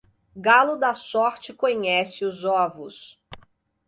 Galo da sorte conhece os ovos.